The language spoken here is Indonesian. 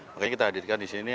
makanya kita hadirkan di sini